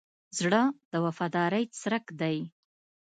زړه د وفادارۍ څرک دی.